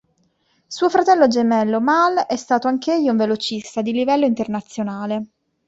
Suo fratello gemello Mal è stato anch'egli un velocista di livello internazionale.